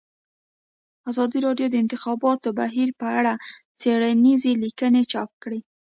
ازادي راډیو د د انتخاباتو بهیر په اړه څېړنیزې لیکنې چاپ کړي.